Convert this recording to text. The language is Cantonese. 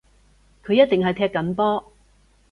佢一定係踢緊波